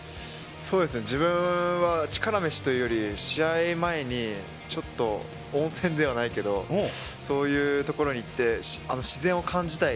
そうですね、自分は力飯というより、試合前にちょっと、温泉ではないけど、そういう所に行って、自然を感じたい。